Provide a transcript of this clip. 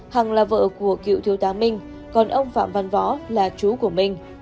hằng là vợ của cựu thiếu tá minh còn ông phạm văn võ là chú của mình